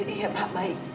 iya pak baik